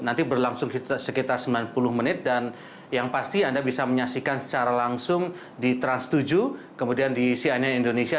nanti berlangsung sekitar sembilan puluh menit dan yang pasti anda bisa menyaksikan secara langsung di trans tujuh kemudian di cnn indonesia